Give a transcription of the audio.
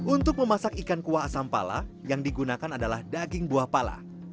untuk memasak ikan kuah asam pala yang digunakan adalah daging buah pala